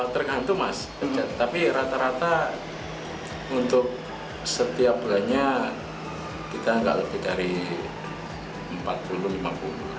tergantung mas tapi rata rata untuk setiap bulannya kita nggak lebih dari empat puluh lima puluh